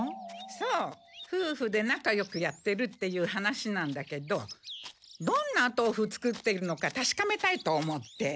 そう夫婦でなかよくやってるっていう話なんだけどどんな豆腐作っているのかたしかめたいと思って。